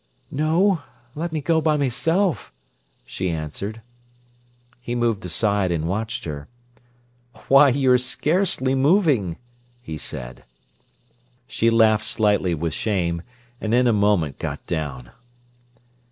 "No; let me go by myself," she answered. He moved aside and watched her. "Why, you're scarcely moving," he said. She laughed slightly with shame, and in a moment got down.